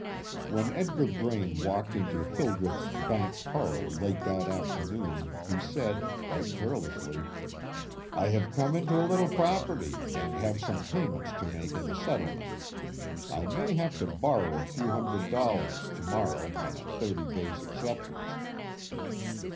When Edgar Braine walked into Hildreth's bank parlor late that afternoon, he said quite carelessly: "I have come into a little property, and have some payments to make in the settlement. I may have to borrow a few hundred dollars to morrow on a thirty days' acceptance."